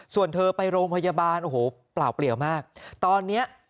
ส่วนเธอไปโรงพยาบาลโอ้โหเปล่าเปลี่ยวมากตอนเนี้ย